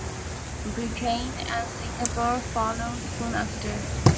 Britain and Singapore followed soon after.